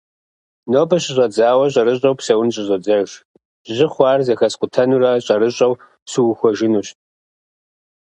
Нобэ щыщӏэдзауэ, щӏэрыщӏэу псэун щӏызодзэж. Жьы хъуар зэхэскъутэнурэ щӏэрыщӏэу сухуэжынущ.